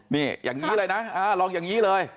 นี่อย่างนี้เลยนะลองอย่างนี้เลย